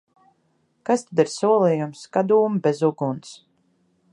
Kas tad ir solījums? Kā dūmi bez uguns!